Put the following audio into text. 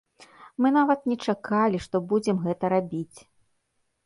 Мы нават не чакалі, што будзем гэта рабіць.